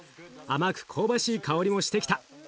甘く香ばしい香りもしてしてきた。